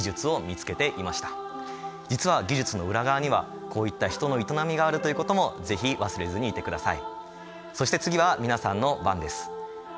実は技術の裏側にはこういった人の営みがあるということも是非忘れずにいてください。